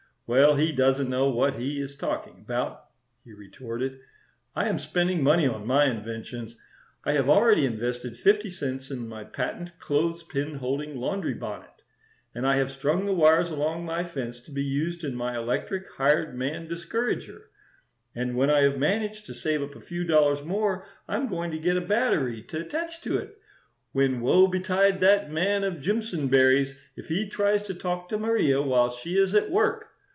Well, he doesn't know what he is talking about," he retorted. "I am spending money on my inventions. I have already invested fifty cents in my patent Clothes Pin Holding Laundry Bonnet, and I have strung the wires along my fence to be used in my electric Hired Man Discourager; and when I have managed to save up a few dollars more I'm going to get a battery to attach to it, when woe betide that man of Jimpsonberry's if he tries to talk to Maria while she is at work!